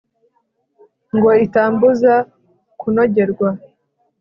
ngo itambuza kunogerwa